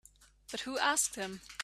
But who asked him?